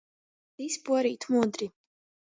Tys puorīt mudri.